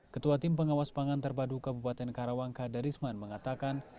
ketua tim pengawas pangan terpadu kabupaten karawang kada risman mengatakan